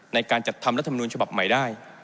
ในการจัดทำรัฐมนุนฉบับใหม่ได้